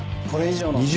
これ以上の。